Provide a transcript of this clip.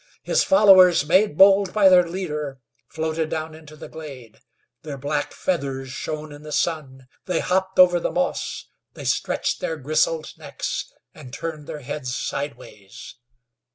His followers, made bold by their leader, floated down into the glade. Their black feathers shone in the sun. They hopped over the moss; they stretched their grizzled necks, and turned their heads sideways.